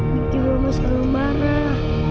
bikin mama seru marah